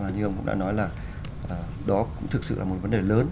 như ông cũng đã nói là đó cũng thực sự là một vấn đề lớn